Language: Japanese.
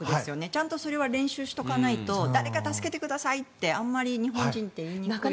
ちゃんとそれは練習しておかないと誰か助けてくださいってあまり日本人って言いにくい。